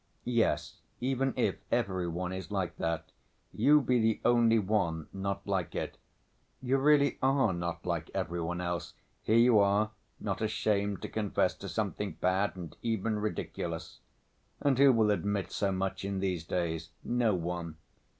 "Yes, even if every one is like that. You be the only one not like it. You really are not like every one else, here you are not ashamed to confess to something bad and even ridiculous. And who will admit so much in these days? No one.